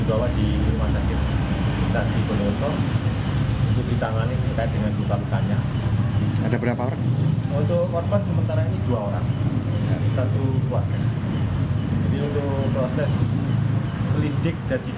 jadi untuk proses lidik dan sidiknya masih kembangkan oleh polisi